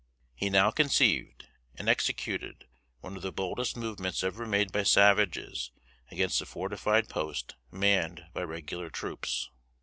He now conceived, and executed, one of the boldest movements ever made by savages against a fortified post manned by regular troops.